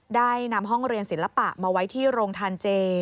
ได้นำห้องเรียนศิลปะมาไว้ที่โรงทานเจ